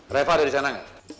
reva ada di sana